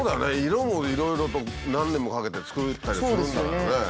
色もいろいろと何年もかけてつくったりするんだからね。